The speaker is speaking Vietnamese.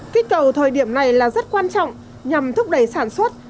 kích cầu thời điểm này là rất quan trọng nhằm thúc đẩy sản xuất